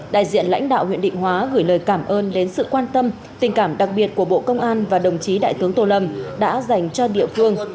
đại diện lãnh đạo huyện định hóa gửi lời cảm ơn đến sự quan tâm tình cảm đặc biệt của bộ công an và đồng chí đại tướng tô lâm đã dành cho địa phương